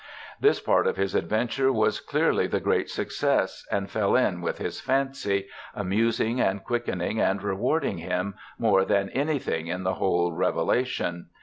This part of his adventure was clearly the great success and fell in with his fancy, amusing and quickening and rewarding him, more than anything in the whole revelation.